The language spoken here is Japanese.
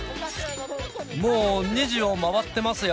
もう２時を回ってますよ。